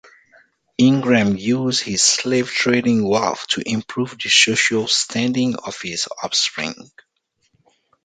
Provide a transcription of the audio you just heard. Ingram used his slave trading wealth to improve the social standing of his offspring.